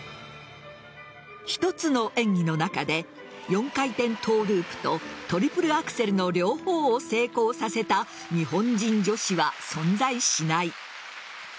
１つの演技の中で４回転トゥループとトリプルアクセルの両方を成功させた日本人女子は存在しない。